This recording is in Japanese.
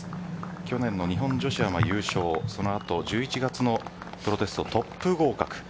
去年の日本女子アマ優勝と１１月のプロテストトップ合格。